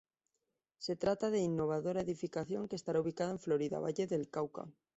Se trata de innovadora edificación que estará ubicada en Florida, Valle del Cauca.